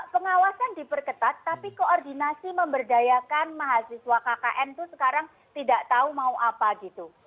pengawasan diperketat tapi koordinasi memberdayakan mahasiswa kkn itu sekarang tidak tahu mau apa gitu